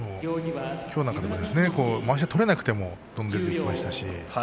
きょうなんかでもまわしが取れなくてもどんどんいきましたし